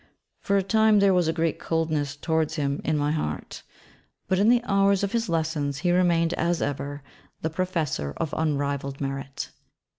For a time there was a great coldness towards him in my heart. But in the hours of his lessons he remained, as ever, the 'Professor' of unrivalled merit.